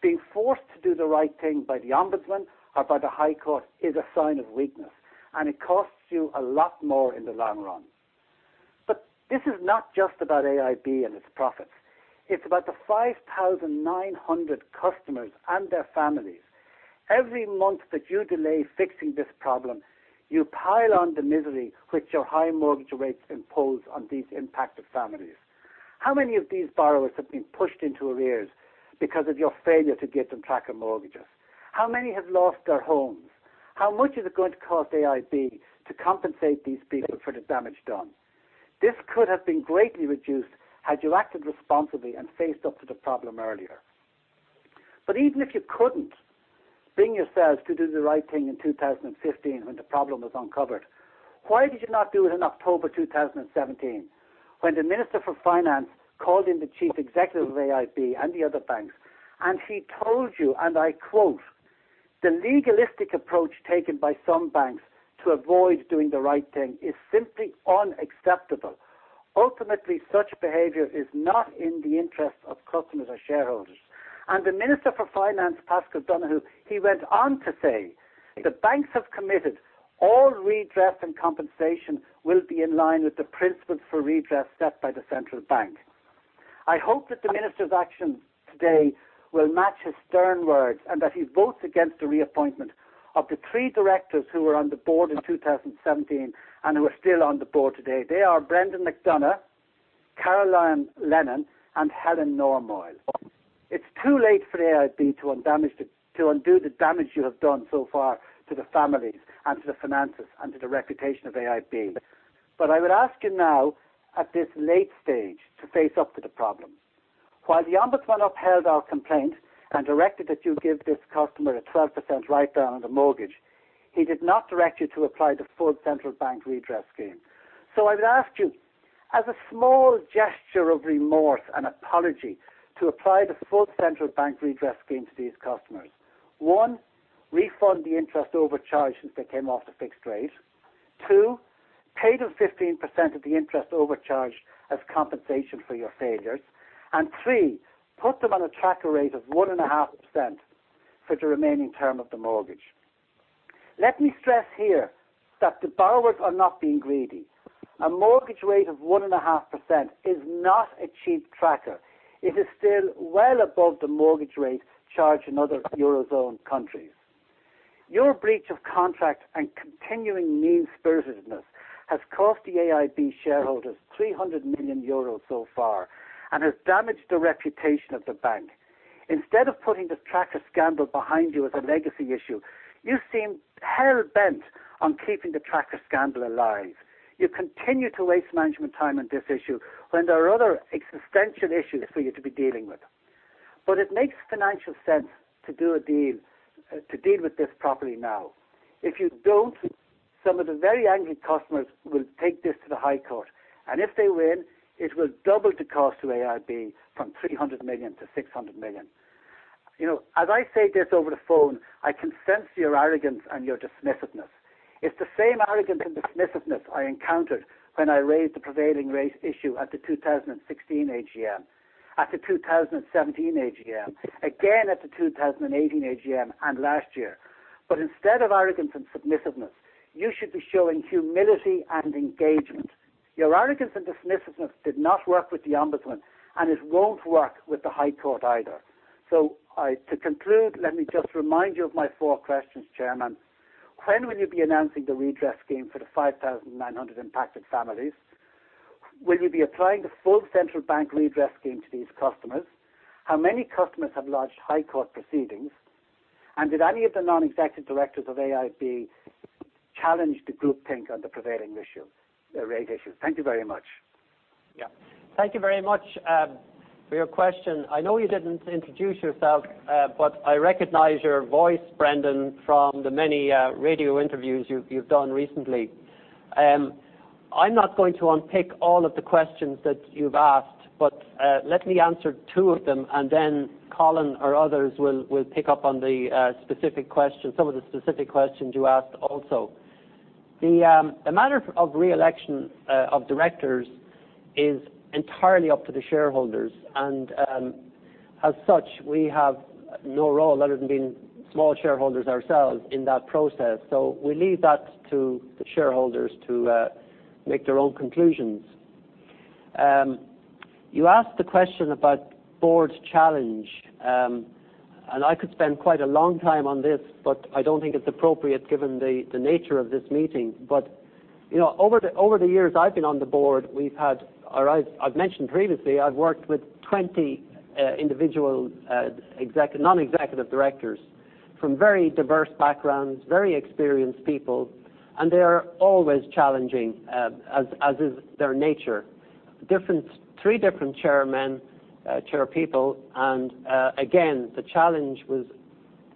Being forced to do the right thing by the Ombudsman or by the High Court is a sign of weakness, and it costs you a lot more in the long run. This is not just about AIB and its profits. It's about the 5,900 customers and their families. Every month that you delay fixing this problem, you pile on the misery which your high mortgage rates impose on these impacted families. How many of these borrowers have been pushed into arrears because of your failure to get them tracker mortgages? How many have lost their homes? How much is it going to cost AIB to compensate these people for the damage done? This could have been greatly reduced had you acted responsibly and faced up to the problem earlier. But, even if you couldn't bring yourselves to do the right thing in 2015 when the problem was uncovered, why did you not do it in October 2017, when the Minister for Finance called in the Chief Executive of AIB and the other banks, and she told you, and I quote, the legalistic approach taken by some banks to avoid doing the right thing is simply unacceptable. Ultimately, such behavior is not in the interest of customers or shareholders. And the Minister for Finance, Paschal Donohoe, he went on to say, the banks have committed all redress and compensation will be in line with the principles for redress set by the Central Bank. I hope that the Minister's actions today will match his stern words and that he votes against the reappointment of the three directors who were on the Board in 2017 and who are still on the Board today. They are Brendan McDonagh, Carolan Lennon, and Helen Normoyle. It's too late for the AIB to undo the damage you have done so far to the families and to the finances and to the reputation of AIB. I would ask you now, at this late stage, to face up to the problem. While the Ombudsman upheld our complaint and directed that you give this customer a 12% write-down on the mortgage, he did not direct you to apply the full Central Bank redress scheme. I would ask you, as a small gesture of remorse and apology, to apply the full Central Bank redress scheme to these customers. One, refund the interest overcharged since they came off the fixed rate. Two, pay them 15% of the interest overcharged as compensation for your failures, and three, put them on a tracker rate of 1.5% for the remaining term of the mortgage. Let me stress here that the borrowers are not being greedy. A mortgage rate of 1.5% is not a cheap tracker. It is still well above the mortgage rate charged in other Eurozone countries. Your breach of contract and continuing mean-spiritedness has cost the AIB shareholders 300 million euros so far and has damaged the reputation of the bank. Instead of putting the tracker scandal behind you as a legacy issue, you seem hell-bent on keeping the tracker scandal alive. You continue to waste management time on this issue when there are other existential issues for you to be dealing with. It makes financial sense to deal with this properly now. If you don't, some of the very angry customers will take this to the High Court, and if they win, it will double the cost to AIB from 300 million to 600 million. As I say this over the phone, I can sense your arrogance and your dismissiveness. It's the same arrogance and dismissiveness I encountered when I raised the prevailing rate issue at the 2016 AGM, at the 2017 AGM, again at the 2018 AGM, and last year. Instead of arrogance and dismissiveness, you should be showing humility and engagement. Your arrogance and dismissiveness did not work with the Ombudsman, and it won't work with the High Court either. To conclude, let me just remind you of my four questions, Chairman. When will you be announcing the redress scheme for the 5,900 impacted families? Will you be applying the full Central Bank redress scheme to these customers? How many customers have lodged High Court proceedings? Did any of the non-executive directors of AIB challenge the groupthink on the prevailing rate issue? Thank you very much. Yeah. Thank you very much for your question. I know you didn't introduce yourself, but I recognize your voice, Brendan, from the many radio interviews you've done recently. I'm not going to unpick all of the questions that you've asked, but let me answer two of them, and then Colin or others will pick up on some of the specific questions you asked also. The matter of re-election of directors is entirely up to the shareholders, and as such, we have no role other than being small shareholders ourselves in that process. We leave that to the shareholders to make their own conclusions. You asked the question about Board's challenge. I could spend quite a long time on this, but I don't think it's appropriate given the nature of this meeting. But, over the years I've been on the Board, I've mentioned previously, I've worked with 20 individual non-executive directors from very diverse backgrounds, very experienced people, and they are always challenging, as is their nature. Three different chairpeople, and again, the challenge was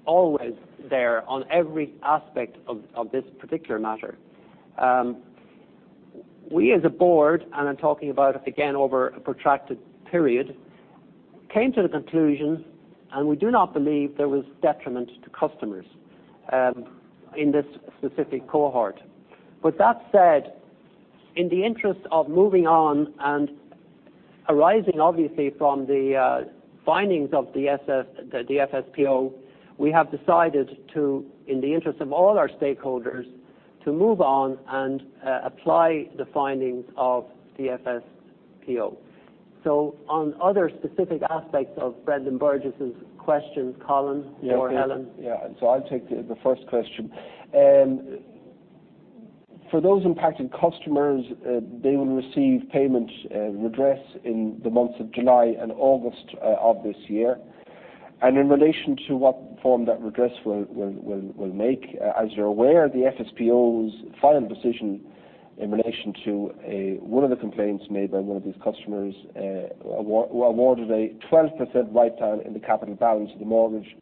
always there on every aspect of this particular matter. We as a Board, and I'm talking about, again, over a protracted period, came to the conclusion, and we do not believe there was detriment to customers in this specific cohort. With that said, in the interest of moving on and arising obviously from the findings of the FSPO, we have decided to, in the interest of all our stakeholders, to move on and apply the findings of the FSPO. on other specific aspects of Brendan Burgess's questions, Colin or Helen. Yeah. I'll take the first question. For those impacted customers, they will receive payment redress in the months of July and August of this year. In relation to what form that redress will make, as you're aware, the FSPO's final decision in relation to one of the complaints made by one of these customers, awarded a 12% write-down in the capital balance of the mortgage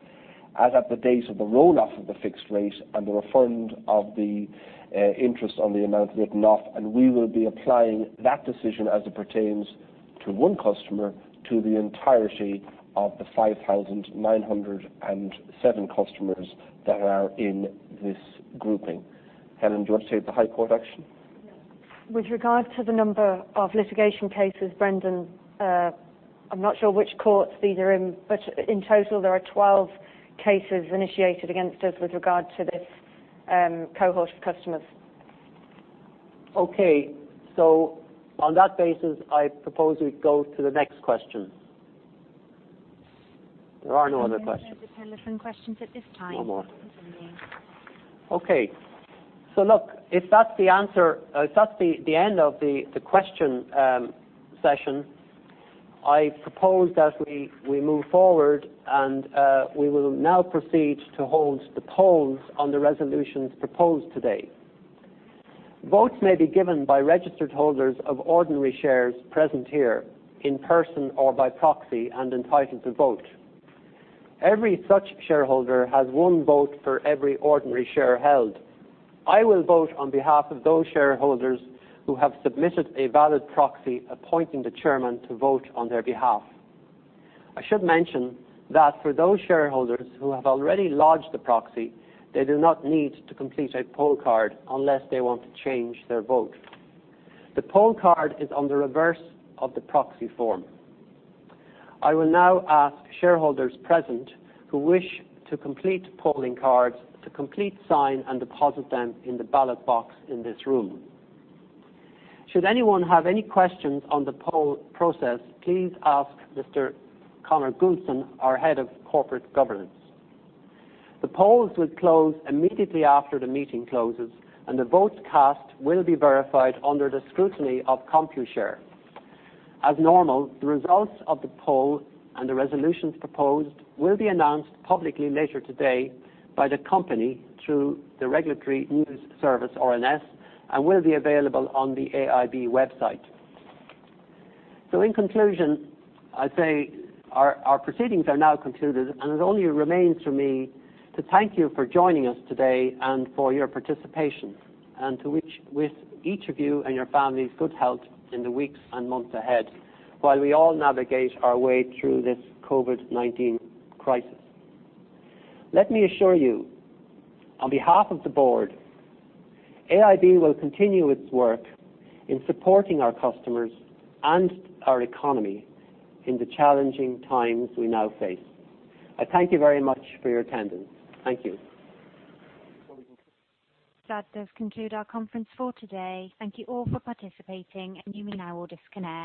as at the date of the roll-off of the fixed rate and the refund of the interest on the amount written off, and we will be applying that decision as it pertains to one customer to the entirety of the 5,907 customers that are in this grouping. Helen, do you want to state the High Court action? With regard to the number of litigation cases, Brendan, I'm not sure which courts these are in, but in total, there are 12 cases initiated against us with regard to this cohort of customers. Okay. On that basis, I propose we go to the next question. There are no other questions. There are no further telephone questions at this time. No more. Okay. Look, if that's the end of the question session, I propose that we move forward, and we will now proceed to hold the polls on the resolutions proposed today. Votes may be given by registered holders of ordinary shares present here in person or by proxy and entitled to vote. Every such shareholder has one vote for every ordinary share held. I will vote on behalf of those shareholders who have submitted a valid proxy appointing the Chairman to vote on their behalf. I should mention that for those shareholders who have already lodged the proxy, they do not need to complete a poll card unless they want to change their vote. The poll card is on the reverse of the proxy form. I will now ask shareholders present who wish to complete polling cards to complete, sign, and deposit them in the ballot box in this room. Should anyone have any questions on the poll process, please ask Mr. Conor Gouldson, our Head of Corporate Governance. The polls will close immediately after the meeting closes, and the votes cast will be verified under the scrutiny of Computershare. As normal, the results of the poll and the resolutions proposed will be announced publicly later today by the company through the Regulatory News Service, RNS, and will be available on the AIB website. In conclusion, I say our proceedings are now concluded, and it only remains for me to thank you for joining us today and for your participation, and to wish each of you and your families good health in the weeks and months ahead while we all navigate our way through this COVID-19 crisis. Let me assure you, on behalf of the Board, AIB will continue its work in supporting our customers and our economy in the challenging times we now face. I thank you very much for your attendance. Thank you. That does conclude our conference for today. Thank you all for participating. You may now all disconnect.